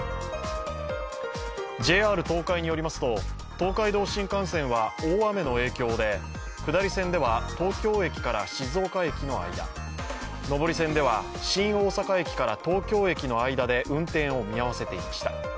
ＪＲ東海によりますと、東海道新幹線は大雨の影響で下り線では東京駅から静岡駅の間、上り線では新大阪駅から東京駅の間で運転を見合わせていました。